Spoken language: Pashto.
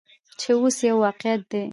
چې اوس یو واقعیت دی.